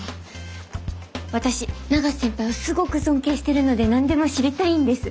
私永瀬先輩をすごく尊敬してるので何でも知りたいんです。